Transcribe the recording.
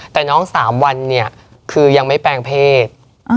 แต่น้อง๓วันเนี่ยคือยังไม่แปลงเพศ